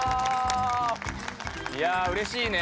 いやうれしいね。